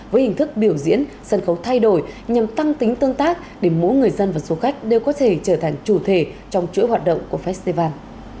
với hình thức biểu diễn sân khấu thay đổi nhằm tăng tính tương tác để mỗi người dân và du khách đều có thể trở thành chủ thể trong chuỗi hoạt động của festival